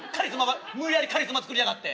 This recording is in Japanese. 無理やりカリスマ作りやがって。